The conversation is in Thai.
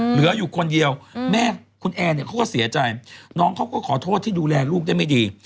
เหลืออยู่คนเดียวแม่คุณแอร์เนี่ยเขาก็เสียใจน้องเขาก็ขอโทษที่ดูแลลูกได้ไม่ดี